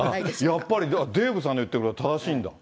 やっぱり、デーブさんの言ってることは正しいんだ。